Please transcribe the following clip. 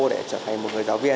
để trở thành một người giáo viên